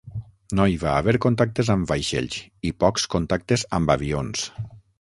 No hi va haver contactes amb vaixells i pocs contactes amb avions.